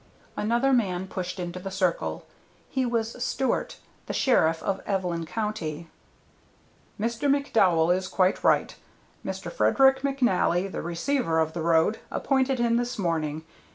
Another man pushed into the circle. He was Stewart, the sheriff of Evelyn County. "Mr. McDowell is quite right. Mr. Frederick McNally, the receiver of the road, appointed him this morning.